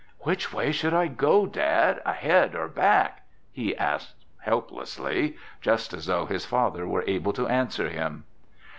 "Which way should I go, Dad, ahead or back?" he asked helplessly, just as though his father were able to answer him.